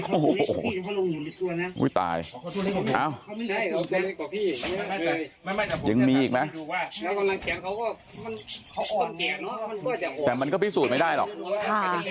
โอ้โหอุ้ยตายยังมีอีกไหมแต่มันก็พิสูจน์ไม่ได้หรอก